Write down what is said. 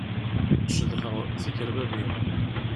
Cedhaɣ tikerbabin.